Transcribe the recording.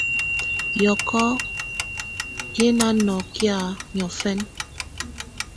Yɔ̀kɔ̀ yɛ̀ nà nɔkɛ̀á niɔ̀fɛna.